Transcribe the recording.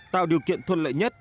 tạo điều kiện thuận lợi nhất